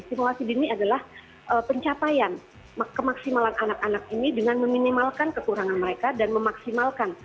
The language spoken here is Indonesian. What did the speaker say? stimulasi dini adalah pencapaian kemaksimalan anak anak ini dengan meminimalkan kekurangan mereka dan memaksimalkan